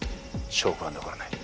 証拠は残らない。